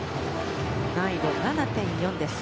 難易度７．４です。